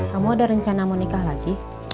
kamu ada rencana mau nikah lagi